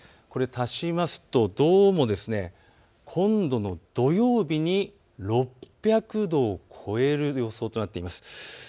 これを足しますと、どうも今度の土曜日に６００度を超える予想となっています。